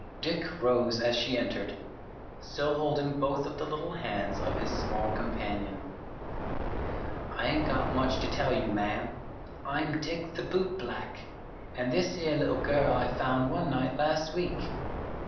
Dick rose as she entered, still holding both of the little hands of his small companion. "I ain't got much to tell you, ma'am. I'm Dick the boot black, an' this here little girl I found one night last week.